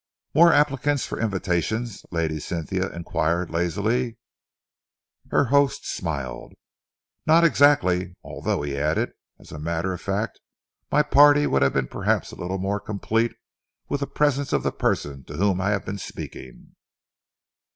"More applicants for invitations?" Lady Cynthia enquired lazily. Her host smiled. "Not exactly! Although," he added, "as a matter of fact my party would have been perhaps a little more complete with the presence of the person to whom I have been speaking."